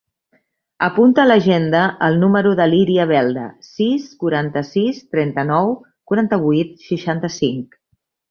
Apunta a l'agenda el número de l'Iria Belda: sis, quaranta-sis, trenta-nou, quaranta-vuit, seixanta-cinc.